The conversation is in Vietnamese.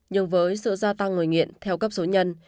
nhưng với sự gia tăng người nghiện theo cấp số nhân